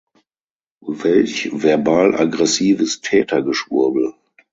Welch verbal aggressives Täter Geschwurbel!